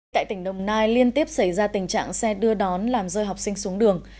tại tỉnh đồng nai liên tiếp xảy ra tình trạng xe đưa đón làm rơi học sinh xuống đường